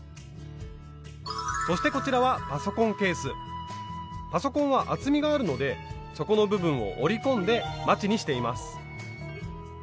そしてこちらはパソコンは厚みがあるので底の部分を折り込んでまちにしています。